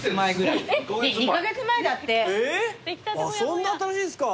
そんな新しいんすか。